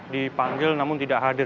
di panggil namun tidak hadir